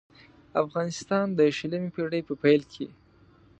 افغانستان د شلمې پېړۍ په پېل کې.